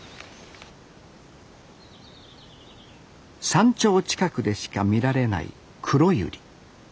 山頂近くでしか見られないクロユリ。